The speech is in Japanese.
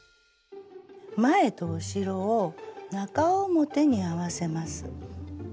前と後ろを中表に合わせます。